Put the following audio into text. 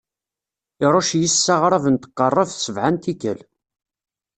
Iṛucc yes-s aɣrab n tqeṛṛabt sebɛa n tikkal.